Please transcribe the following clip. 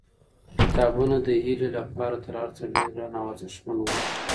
کتابونه د هیلې لپاره تر هر څه ډېر ګران او ارزښتمن وو.